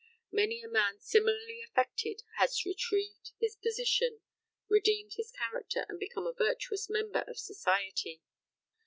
Many a man similarly affected has retrieved his position, redeemed his character and become a virtuous member of society.